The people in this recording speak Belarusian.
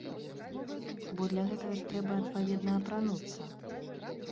Бо для гэтага ж трэба адпаведна апрануцца.